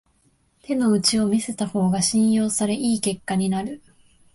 手の内を見せた方が信用され良い結果になる